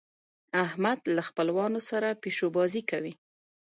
احمد له خپلوانو سره پيشو بازۍ کوي.